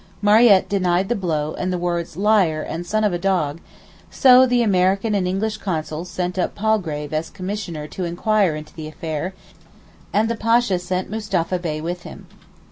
Mariette denied the blow and the words 'liar, and son of a dog'—so the American and English Consuls sent up Palgrave as commissioner to enquire into the affair, and the Pasha sent Mustapha Bey with him.